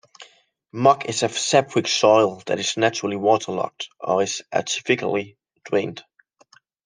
Muck is a sapric soil that is naturally waterlogged or is artificially drained.